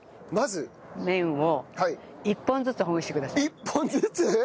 １本ずつ！？